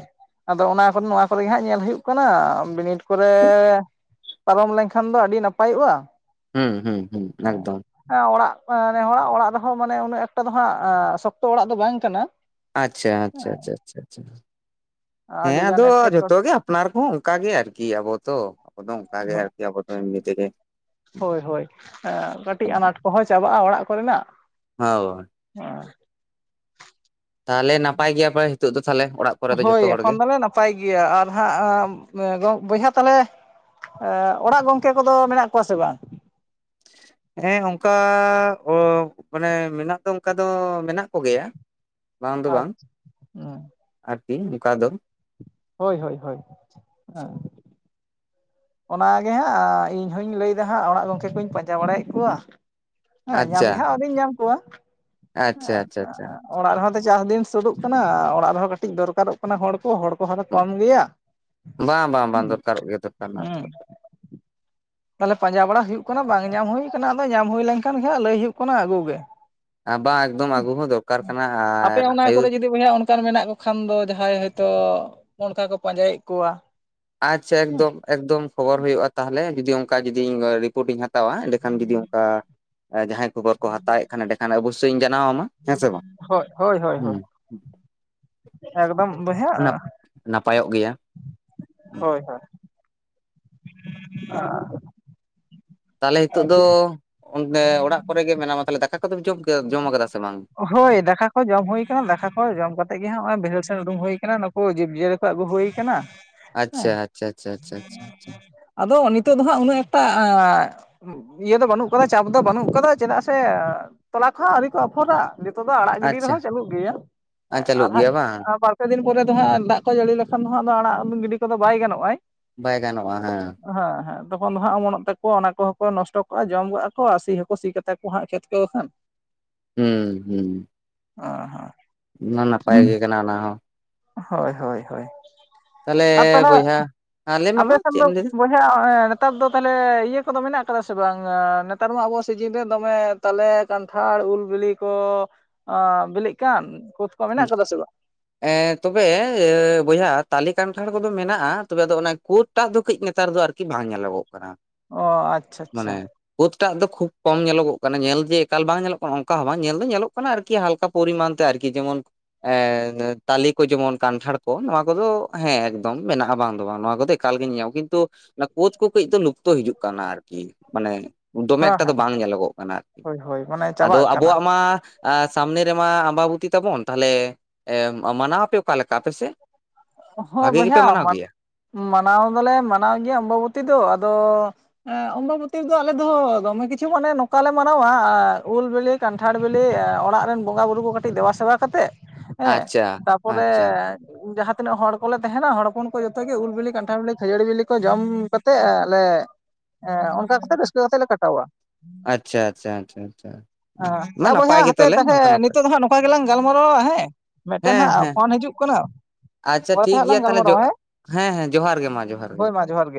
ᱟᱫᱚ ᱚᱱᱟ ᱠᱚ ᱱᱚᱣᱟ ᱠᱚᱨᱮᱜᱮ ᱦᱟᱸᱜ ᱧᱮᱞ ᱦᱩᱭᱩᱜ ᱠᱟᱱᱟ ᱵᱤᱱᱤᱰ ᱠᱚᱨᱮ ᱯᱟᱨᱚᱢ ᱞᱮᱱᱠᱷᱟᱱ ᱫᱚ ᱟᱹᱰᱤ ᱱᱟᱯᱟᱭᱚᱜᱼᱟ।
ᱦᱩᱸ ᱦᱩᱸ ᱦᱩᱸ ᱮᱠᱫᱚᱢ
ᱦᱮᱸ ᱚᱲᱟᱜ ᱢᱟᱱᱮ ᱦᱚᱲᱟᱜ ᱚᱲᱟᱜ ᱨᱮᱦᱚᱸ ᱢᱟᱱᱮ ᱩᱱᱟᱹᱜ ᱮᱠᱴᱟ ᱫᱚ ᱦᱟᱸᱜ ᱥᱚᱠᱛᱚ ᱚᱲᱟᱜ ᱫᱚ ᱵᱟᱝ ᱠᱟᱱᱟ
ᱟᱪᱪᱷᱟ ᱟᱪᱪᱷᱟ ᱟᱪᱪᱷᱟ ᱟᱪᱪᱷᱟ ᱟᱪᱪᱷᱟ ᱦᱮᱸ
ᱟᱹᱰᱤ ᱜᱟᱱ
ᱟᱫᱚ ᱡᱷᱚᱛᱚ
ᱮᱴᱠᱮᱴᱚᱬᱮ
ᱜᱮ ᱟᱯᱱᱟᱨ ᱠᱚᱦᱚᱸ ᱚᱱᱠᱟᱜ ᱜᱮ ᱟᱨᱠᱤ ᱟᱵᱚ ᱛᱚ ᱟᱵᱚ ᱫᱚ ᱚᱱᱠᱟᱜᱮ ᱟᱨᱠᱤ ᱟᱵᱚ ᱫᱚ ᱮᱢᱱᱤ ᱛᱮᱜᱮ
ᱦᱳᱭ ᱦᱳᱭ ᱮᱸᱜ ᱠᱟᱹᱴᱤᱡ ᱟᱱᱟᱴ ᱠᱚᱦᱚᱸ ᱪᱟᱵᱟᱜᱼᱟ ᱚᱲᱟᱜ ᱠᱚᱨᱮᱱᱟᱜ
ᱦᱳᱭ
ᱦᱚ
ᱛᱟᱞᱦᱮ ᱱᱟᱯᱟᱭ ᱜᱮᱭᱟᱯᱮ ᱦᱤᱛᱚᱜ ᱫᱚ ᱛᱟᱦᱞᱮ ᱚᱲᱟᱜ ᱠᱚᱨᱮ ᱫᱚ
ᱦᱳᱭ
ᱡᱷᱚᱛᱚ ᱦᱚᱲ ᱜᱮ
ᱮᱠᱷᱚᱱ ᱫᱚᱞᱮ ᱱᱟᱯᱟᱭ ᱜᱮᱭᱟ, ᱟᱨ ᱦᱟᱸᱜ ᱵᱚᱭᱦᱟ ᱛᱟᱞᱮ ᱚᱲᱟᱜ ᱜᱚᱝᱠᱮ ᱠᱚᱫᱚ ᱢᱮᱱᱟᱜ ᱠᱚᱣᱟ ᱥᱮ ᱵᱟᱝ?
ᱦᱮᱸ ᱚᱱᱠᱟ ᱳ ᱢᱟᱱᱮ ᱢᱮᱱᱟᱜ ᱫᱚ ᱚᱱᱠᱟ ᱫᱚ ᱢᱮᱱᱟᱜ ᱠᱚᱜᱮᱭᱟ᱾ ᱵᱟᱝ ᱫᱚ
ᱟᱪ
ᱵᱟᱝ ᱟᱨᱠᱤ ᱱᱚᱠᱟ ᱫᱚ᱾
ᱦᱳᱭ ᱦᱳᱭ ᱦᱳᱭ ᱦᱮ ᱾ ᱚᱱᱟᱜᱮ ᱦᱟᱸᱜ ᱤᱧᱦᱧ ᱞᱟᱹᱭᱮᱫᱟ ᱦᱟᱸᱜ ᱚᱲᱟᱜ ᱜᱚᱢᱠᱮ ᱠᱚᱧ ᱯᱟᱸᱡᱟ ᱵᱟᱲᱟᱭᱮᱫ ᱠᱚᱣᱟ᱾ ᱦᱮᱸ ᱧᱟᱢ
ᱟᱪᱪᱷᱟ
ᱜᱮᱦᱟᱸᱜ ᱟᱹᱣᱨᱤᱧ ᱧᱟᱢ ᱠᱚᱣᱟ ᱦᱮ᱾
ᱟᱪᱪᱷᱟ ᱟᱪᱪᱷᱟ ᱟᱪᱪᱷᱟ
ᱚᱲᱟᱜ ᱨᱮᱦᱚᱸ ᱛᱚ ᱪᱟᱥ ᱫᱤᱱ ᱥᱳᱩᱨᱩᱜ ᱠᱟᱱᱟ ᱚᱲᱟᱜ ᱨᱮᱦᱚᱸ ᱠᱟᱹᱴᱤᱡ ᱫᱚᱨᱠᱟᱨᱚᱜ ᱠᱟᱱᱟ ᱦᱚᱲ ᱠᱚ ᱦᱚᱲ ᱠᱚᱦᱚᱸᱞᱮ ᱠᱚᱢ ᱜᱮᱭᱟ᱾ [inaudible]
ᱵᱟ ᱵᱟ ᱵᱟᱝ ᱫᱚᱨᱠᱟᱨᱚᱜ ᱜᱮᱭᱟ ᱫᱚᱨᱠᱟᱨ ᱨᱮᱱᱟᱜ
ᱦᱩᱸ
ᱫᱚ᱾
ᱛᱟᱦᱚᱞᱮ ᱯᱟᱸᱡᱟ ᱵᱟᱲᱟ ᱦᱩᱭᱩᱜ ᱠᱟᱱᱟ ᱵᱟᱝ ᱧᱟᱢ ᱦᱩᱭ ᱟᱠᱟᱱᱟ ᱟᱫᱚ ᱧᱟᱢ ᱦᱩᱭ ᱞᱮᱱᱠᱷᱟᱱ ᱜᱮ ᱞᱟᱹᱭ ᱦᱩᱭᱩᱜ ᱠᱟᱱᱟ ᱟᱹᱜᱩ ᱜᱮ᱾
ᱵᱟᱝ ᱮᱠᱫᱚᱢ ᱟᱹᱜᱩ ᱦᱚᱸ ᱫᱚᱨᱠᱟᱨ ᱠᱟᱱᱟ,
ᱟᱯᱮ
ᱟᱨ
ᱚᱱᱟ
ᱟᱭᱩ
ᱠᱚᱨᱮ ᱡᱩᱫᱤ ᱵᱚᱭᱦᱟ ᱚᱱᱠᱟᱱ ᱢᱮᱱᱟᱜ ᱠᱚ ᱠᱷᱟᱱ ᱫᱚ ᱡᱟᱦᱟᱸᱭ ᱦᱚᱭᱛᱚ ᱚᱱᱠᱟ ᱠᱚ ᱯᱟᱸᱡᱟᱭᱮᱫ ᱠᱚᱣᱟ
ᱟᱪᱪᱷᱟ ᱮᱠᱫᱚᱢ ᱮᱠᱫᱚᱢ ᱠᱷᱚᱵᱚᱨ ᱦᱩᱭᱩᱜᱼᱟ ᱛᱟᱦᱚᱞᱮ ᱡᱩᱫᱤ ᱚᱱᱠᱟ ᱡᱩᱫᱤ ᱨᱤᱯᱳᱴ ᱤᱧ ᱦᱟᱛᱟᱭᱟ ᱮᱸᱰᱮᱠᱷᱟᱱ ᱡᱩᱫᱤ ᱠᱟ ᱡᱟᱦᱟᱸᱭ ᱠᱚᱵᱚᱨ ᱠᱚ ᱦᱟᱛᱟᱣᱮᱫ ᱠᱷᱟᱱ ᱰᱮᱸ ᱠᱷᱟᱱ ᱚᱵᱚᱥᱥᱳ ᱤᱧ ᱡᱟᱱᱟᱣ ᱟᱢᱟ ᱦᱮᱸ ᱥᱮ ᱵᱟᱝ
ᱦᱳᱭ ᱦᱳᱭ ᱦᱳᱭ ᱦᱳᱭ ᱮᱠᱫᱚᱢ ᱵᱚᱭᱦᱟ
᱾ ᱚᱱᱟ ᱱᱟᱯᱟᱭᱚᱜ ᱜᱮᱭᱟ᱾
ᱦᱳᱭ ᱦᱚ᱾
ᱛᱟᱦᱚᱞᱮ ᱱᱤᱛᱚᱜ ᱫᱚ ᱚᱱ ᱚᱲᱟᱜ ᱠᱚᱨᱮ ᱜᱮ ᱢᱮᱱᱟᱢᱟ, ᱛᱟᱦᱚᱞᱮ ᱫᱟᱠᱟ ᱠᱚᱫ ᱡᱚᱢ ᱡᱚᱢ ᱟᱠᱟᱫᱟ ᱥᱮ ᱵᱟᱝ?
ᱦᱳᱭ ᱫᱟᱠᱟ ᱠᱚ ᱡᱚᱢ ᱦᱩᱭᱟᱱᱟ ᱫᱟᱠᱟ ᱠᱚ ᱡᱚᱢ ᱠᱟᱛᱮᱜ ᱜᱮ ᱦᱟᱜ ᱱᱚᱭᱚ ᱵᱳᱭᱦᱳᱹᱲ ᱥᱮᱱ ᱩᱰᱩᱝ ᱦᱩᱭ ᱟᱠᱟᱱᱟ ᱱᱩᱠᱩ ᱡᱤᱵᱽᱼᱡᱤᱭᱟᱹᱞᱤ ᱟᱹᱜᱩ ᱦᱩᱭ ᱠᱟᱱᱟ᱾
ᱟᱪᱪᱷᱟ
ᱦᱮᱸ
ᱟᱪᱪᱷᱟ ᱟᱪᱷᱟ ᱪᱷᱟ ᱪᱷᱟ ᱾
ᱟᱫᱚ ᱱᱤᱛᱳ ᱫᱚ ᱦᱟᱜ ᱩᱱᱟᱹᱜ ᱮᱠᱴᱟᱻ ᱤᱭᱟᱹ ᱫᱚ ᱵᱟᱹᱱᱩᱜ ᱟᱠᱟᱫᱟ ᱪᱟᱯ ᱫᱚ ᱵᱟᱹᱱᱩᱜ ᱟᱠᱟᱫᱟ ᱪᱮᱫᱟᱜ ᱥᱮ ᱛᱚᱞᱟ ᱠᱚᱦᱚ ᱟᱹᱣᱨᱤ ᱠᱚ ᱱᱤᱛᱚᱜ ᱫᱚ ᱟᱲᱟᱜ ᱜᱤᱰᱤ
ᱟᱪᱪᱷᱟ
ᱨᱮᱦᱚᱸ ᱪᱟᱹᱞᱩᱜ ᱜᱮᱭᱟ ᱦᱮᱸ
ᱪᱟᱹᱞᱩᱜ
ᱟᱨᱦᱜ
ᱜᱮᱭᱟ ᱵᱟᱝ
ᱯᱮ ᱫᱤᱱ ᱯᱚᱨᱮ ᱫᱚ ᱦᱟᱸᱜ ᱫᱟᱜ ᱠᱚ ᱡᱟᱹᱲᱤ ᱞᱮᱠᱷᱟᱱ ᱫᱚ ᱦᱟᱸᱜ ᱟᱲᱟᱜ ᱜᱤᱰᱤ ᱠᱚᱫᱚ ᱵᱟᱭ ᱜᱟᱱᱚᱜᱼᱟ᱾
ᱵᱟᱭ ᱜᱟᱱᱚᱜᱼᱟ ᱦᱮᱸ᱾
ᱦᱮᱸ ᱦᱮᱸ ᱛᱚᱠᱷᱚᱱ ᱫᱚ ᱦᱟᱸᱜ ᱚᱢᱚᱱᱚᱜ ᱛᱟᱠᱩᱣᱟ ᱚᱱᱟ ᱠᱚᱦᱚᱸ ᱠᱚ ᱱᱚᱥᱴᱚ ᱠᱚᱜᱼᱟ ᱡᱚᱢ ᱜᱚᱜᱼᱟ ᱠᱚ ᱟᱨ ᱥᱤ ᱦᱚᱸᱠᱚ ᱥᱤ ᱠᱟᱛᱟ ᱠᱚ ᱦᱟᱸᱜ ᱠᱷᱮᱛ ᱠᱚ ᱦᱟᱸᱜ᱾
ᱦᱩᱸ ᱦᱩᱸ᱾
ᱚ ᱦ
ᱚᱱᱟ ᱱᱟᱯᱟᱭ ᱜᱮ ᱠᱟᱱᱟ ᱚᱱᱟ ᱦᱚᱸ᱾
ᱦᱳᱭ ᱦᱳᱭ ᱦᱳᱭ ᱟᱨ ᱛᱟᱦᱚᱞᱮ
ᱦᱮᱸ ᱞᱟᱹᱭ ᱢᱮ
ᱟᱯᱮ
ᱢᱟ
ᱥᱮᱱ
ᱪᱮᱫ
ᱫᱚ
ᱮᱢ ᱞᱟᱹᱭᱫᱟ
ᱵᱚᱭ ᱦᱮᱸ ᱱᱮᱛᱟᱨ ᱫᱚ ᱛᱟᱦᱚᱞᱮ ᱤᱭᱟᱹ ᱠᱚᱫᱚ ᱢᱮᱱᱟᱜ ᱟᱠᱟᱫᱟ ᱥᱮ ᱵᱟᱝ ᱱᱮᱛᱟᱨ ᱢᱟ ᱟᱵᱚᱣᱟᱜ ᱥᱤᱡᱤᱱ ᱨᱮ ᱫᱚᱢᱮ ᱛᱟᱞᱮ ᱠᱟᱱᱴᱷᱟᱲ ᱩᱞ ᱵᱤᱞᱤ ᱠᱚ ᱵᱤᱞᱤᱜ ᱠᱟᱱ ᱠᱷᱩᱫ ᱠᱚ ᱢᱮᱱᱟᱜ ᱠᱟᱫᱟ ᱥᱮ ᱵᱟᱝ?
ᱛᱚᱵᱮ ᱵᱚᱭᱦᱟ ᱛᱟᱞᱮ ᱠᱟᱱᱴᱷᱟᱲ ᱠᱚᱫᱚ ᱢᱮᱱᱟᱜᱼᱟ ᱛᱚᱵᱮ ᱟᱫᱚ ᱚᱱᱟ ᱠᱳᱫ ᱮᱴᱟᱜ ᱫᱚ ᱠᱟᱹᱡ ᱱᱮᱛᱟᱨ ᱫᱚ ᱟᱨᱠᱤ ᱵᱟᱝ ᱧᱮᱞᱚᱜᱚᱜ ᱠᱟᱱᱟ᱾
ᱚ ᱟᱪᱪᱷᱟ ᱟᱪᱪᱷᱟ᱾
ᱯᱳᱫᱴᱟᱜ ᱫᱚ ᱠᱷᱩᱵ ᱠᱚᱢ ᱧᱮᱞᱚᱜᱚᱜ ᱠᱟᱱᱟ ᱧᱮᱞ ᱡᱮ ᱮᱠᱟᱞ ᱵᱟᱝ ᱧᱮᱞᱚᱜ ᱠᱟᱱᱟ ᱚᱱᱠᱟ ᱦᱚᱸ ᱵᱟᱝ ᱧᱮᱞ ᱫᱚ ᱧᱮᱞᱚᱜ ᱠᱟᱱᱟ ᱟᱨᱠᱤ ᱦᱟᱞᱠᱟ ᱯᱨᱤᱢᱟᱱ ᱛᱮ ᱟᱨᱠᱤ ᱡᱮᱢᱚᱱ ᱛᱟᱞᱮ ᱠᱚ ᱡᱮᱢᱚᱱ ᱠᱟᱱᱴᱷᱟᱲ ᱠᱚ ᱱᱚᱣᱟ ᱠᱚᱫᱚ ᱦᱮᱸ ᱮᱠᱫᱚᱢ ᱢᱮᱱᱟᱜᱼᱟ, ᱵᱟᱝ ᱫᱚ ᱵᱟᱝ ᱱᱚᱣᱟ ᱠᱚᱫᱚ ᱮᱠᱟᱞᱜᱤᱧ ᱧᱟᱢ ᱠᱤᱱᱛᱩ ᱚᱱᱟ ᱠᱳᱫ ᱠᱚ ᱠᱟᱹᱡ ᱫᱚ ᱞᱩᱯᱛᱚ ᱦᱤᱡᱩᱜ ᱠᱟᱱᱟ ᱟᱨ ᱠᱤ ᱢᱟᱱᱮ ᱫᱚᱢᱮ
ᱦᱮᱸ
ᱮᱠᱴᱟ ᱫᱚ
ᱦᱮᱸ
ᱵᱟᱝ ᱧᱮᱞᱚᱜᱚᱜ ᱠᱟᱱᱟ ᱟᱨᱠᱤ
ᱦᱳᱭ ᱦᱳᱭ ᱢᱟᱱᱮ
ᱟᱫᱚ
ᱪᱟᱵᱟᱜ ᱠᱟᱱᱟ
ᱟᱵᱚᱣᱟᱜ ᱢᱟ ᱥᱟᱢᱱᱮ ᱨᱮᱢᱟ ᱟᱢᱵᱟᱵᱚᱛᱤ ᱛᱟᱵᱚᱱ, ᱛᱟᱦᱚᱞᱮ ᱢᱟᱱᱟᱣ ᱟᱯᱮ ᱚᱠᱟᱮ ᱞᱮᱠᱟ ᱟᱯᱮᱥᱮᱫ?
ᱦᱳᱭ ᱵᱚᱭᱦᱟ ᱢᱟᱱᱟᱣ ᱫᱚᱞᱮ ᱢᱟᱱᱟᱣ ᱜᱮᱭᱟ ᱟᱢᱵᱟᱵᱚᱛᱤ ᱫᱚ ᱟᱫᱚ ᱦᱮᱸ ᱚᱢᱵᱟᱵᱚᱛᱤ ᱨᱮᱫᱚ ᱟᱞᱮ ᱫᱚ ᱫᱚᱢᱮ ᱠᱤᱪᱷᱩ ᱢᱟᱱᱮ ᱱᱚᱝᱠᱟ ᱞᱮ ᱢᱟᱱᱟᱣᱟ ᱟᱨ ᱩᱞ ᱵᱤᱞᱤ ᱠᱟᱱᱴᱷᱟᱲ ᱵᱮᱞᱤ ᱚᱲᱟᱜ ᱨᱮᱱ ᱵᱚᱸᱜᱟ ᱵᱩᱨᱩ ᱠᱚ ᱠᱟᱹᱴᱤᱡ ᱫᱮᱵᱟᱼᱥᱮᱵᱟ ᱠᱟᱛᱮᱫ ᱦᱮᱸ
ᱟᱪᱪᱷᱟ
ᱛᱟᱯᱚᱨᱮ
ᱟᱪᱪᱷᱟ
ᱤᱧ ᱡᱟᱦᱟᱸ ᱛᱤᱱᱟᱹᱜ ᱦᱚᱲ ᱠᱚᱞᱮ ᱛᱮᱦᱮᱱᱟ ᱦᱚᱲ ᱦᱚᱯᱚᱱ ᱠᱚ ᱡᱚᱛᱚ ᱜᱮ ᱩᱞ ᱵᱤᱞᱤ, ᱠᱟᱱᱴᱷᱟᱲ ᱵᱤᱞᱤ, ᱠᱷᱟᱹᱡᱟᱹᱲᱤ ᱵᱤᱞᱤ ᱠᱚ ᱡᱚᱢ ᱠᱟᱛᱮ ᱟᱞᱮ ᱮᱸ ᱚᱱᱠᱟ ᱠᱟᱛᱮᱜ ᱨᱟᱹᱥᱠᱟᱹ ᱠᱟᱛᱮᱜ ᱞᱮ ᱠᱟᱴᱟᱣᱟ᱾
ᱟᱪᱪᱷᱟ ᱟᱪᱪᱷᱟ ᱟᱪᱪᱷᱟ ᱟᱪᱪᱷᱟ ᱢᱟ
ᱮ ᱵᱚᱭᱦᱟ
ᱱᱟᱯᱟᱭ ᱜᱮ
ᱦᱟᱯᱮ
ᱛᱟᱦᱚᱞᱮ
ᱛᱟᱦᱮ
ᱱᱚᱝᱠᱟ ᱱᱟᱯᱟᱭ
ᱱᱤᱛᱳᱜ ᱫᱚ ᱦᱟᱸᱜ ᱱᱚᱝᱠᱟ ᱜᱮᱞᱟᱝ ᱜᱟᱞᱢᱟᱨᱟᱣᱟ ᱦᱮᱸ ᱢᱮᱜᱴᱮᱱ
ᱦᱮᱸ
ᱦᱟᱸᱜ
ᱦᱮᱸ
ᱯᱷᱳᱱ ᱦᱤᱡᱩᱜ ᱠᱟᱱᱟ
ᱟᱪᱪᱷᱟ
ᱯᱚᱨᱮ ᱛᱮ
ᱴᱷᱤᱠ
ᱦᱟᱸᱜ
ᱜᱮᱭᱟ
ᱞᱟᱝ
ᱛᱟᱦᱚᱞᱮ,
ᱜᱟᱞᱢᱟᱨᱟᱣᱟ ᱦᱮᱸ
ᱦᱮᱸ ᱦᱮᱸ ᱡᱚᱦᱟᱨ ᱜᱮ ᱢᱟ ᱡᱚᱦᱟᱨ ᱜᱮ
ᱦᱳᱭ ᱢᱟ ᱡᱚᱦᱟᱨ ᱜᱮ